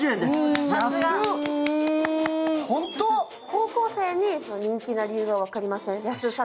高校生に人気な理由が分かりません？